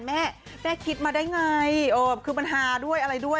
แม่แม่คิดมาได้ไงคือมันฮาด้วยอะไรด้วย